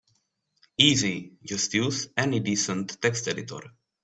Easy, just use any decent text editor.